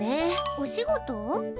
おしごと？